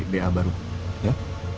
ba baru ya